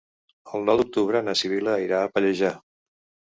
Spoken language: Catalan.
El nou d'octubre na Sibil·la irà a Pallejà.